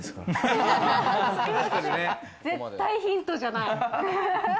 絶対ヒントじゃない。